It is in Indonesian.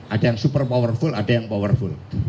ada yang super powerful ada yang powerful